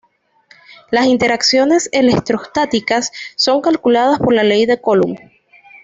Las interacciones electrostáticas son calculadas por la Ley de Coulomb.